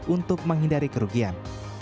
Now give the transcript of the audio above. untuk menghindari kerugian